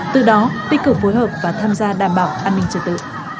từ đó tích cực phối hợp và tham gia đảm bảo an ninh trật tự